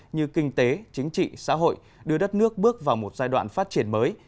như kinh tế chính trị xã hội đưa đất nước bước vào một giai đoạn phát triển mới